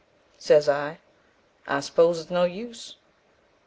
Says I, 'I s'pose it's no use.